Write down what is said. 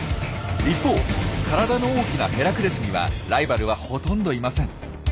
一方体の大きなヘラクレスにはライバルはほとんどいません。